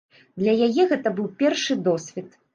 Для яе гэта быў першы досвед.